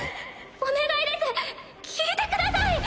お願いです聞いてください！